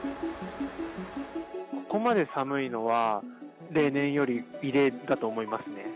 ここまで寒いのは例年より異例だと思いますね。